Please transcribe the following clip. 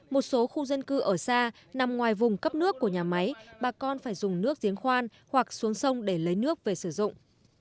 một số khu dân cư ở xa nằm ngoài vùng cấp nước của nhà máy bà con phải dùng nước giếng khoan hoặc xuống sông để lấy nước về sử dụng